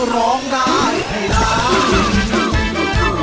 ร้องได้ให้ร้าน